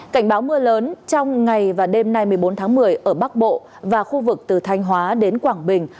cảnh báo mưa lớn trong ngày và đêm nay một mươi bốn tháng một mươi ở bắc bộ và khu vực từ thanh hóa đến quảng bình